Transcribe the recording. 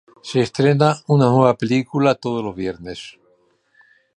Se estrena una nueva película todos los viernes.